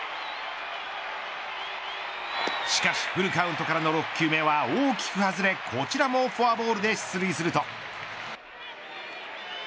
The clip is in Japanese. しかしフルカウントからの６球目は大きく外れ、こちらもフォアボールで出塁すると。